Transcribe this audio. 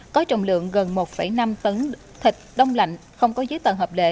có trọng lượng gần một năm tấn thịt đông lạnh không có dưới tầng hợp lệ